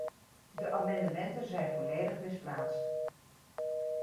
De amendementen zijn volledig misplaatst.